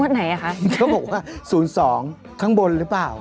ว่าไหนอะคะเขาบอกว่าศูนย์สองข้างบนหรือเปล่า